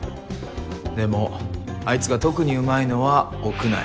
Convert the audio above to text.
でもあいつが特にうまいのは屋内。